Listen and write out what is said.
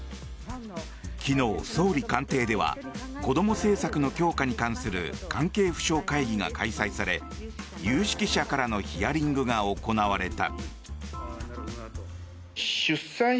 昨日、総理官邸ではこども政策の強化に関する関係府省会議が開催され有識者からのヒアリングが行われた。